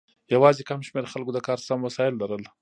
یوازې کم شمیر خلکو د کار سم وسایل لرل.